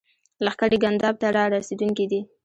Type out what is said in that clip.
لښکرې ګنداب ته را رسېدونکي دي.